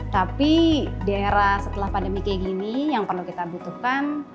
tapi di era setelah pandemi kayak gini yang perlu kita butuhkan